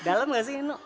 dalem gak sih ini